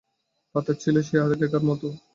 পাতা ছিল সেই আগেকার মতোই।